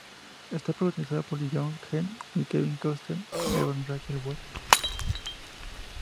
Está protagonizada por Joan Allen, Kevin Costner y Evan Rachel Wood.